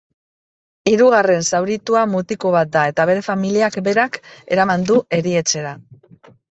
Hirugarren zauritua mutiko bat da eta bere familiak berak eraman du erietxera.